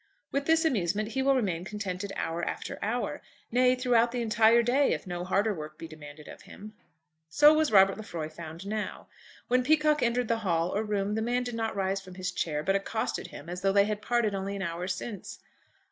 With this amusement he will remain contented hour after hour; nay, throughout the entire day if no harder work be demanded of him. So was Robert Lefroy found now. When Peacocke entered the hall or room the man did not rise from his chair, but accosted him as though they had parted only an hour since.